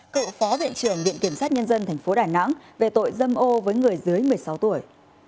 cựu phó viện trưởng viện kiểm sát nhân dân tp đà nẵng về tội dâm ô với người dưới một mươi sáu tuổi